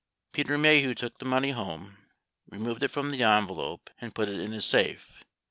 68 Peter Maheu took the money home, removed it from the envelope, and put it in his safe.